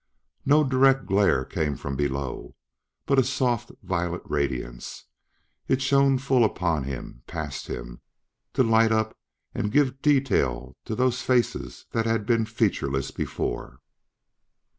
No direct glare came from below, but a soft violet radiance. It shone full upon him past him to light up and give detail to those faces that had been featureless before.